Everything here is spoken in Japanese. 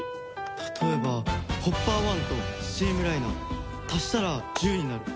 例えばホッパー１とスチームライナー足したら１０になる。